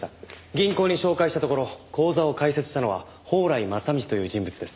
銀行に照会したところ口座を開設したのは宝来正道という人物です。